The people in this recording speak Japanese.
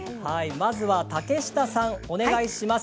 まずは竹下さん、お願いします。